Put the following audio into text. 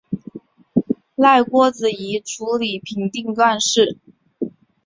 赖郭子仪处理平定乱事。